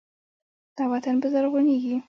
دا وطن به زرغونیږي.